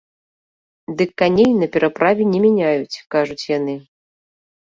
Дый каней не пераправе не мяняюць, кажуць яны.